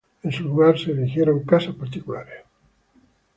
En su lugar se erigieron casas particulares.